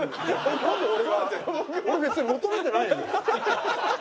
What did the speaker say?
俺別に求めてないのよ。